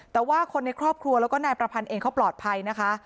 แต่ว่าคนในครอบครัวแล้วก็นายประพันธ์เองเขาปลอดภัยนะคะ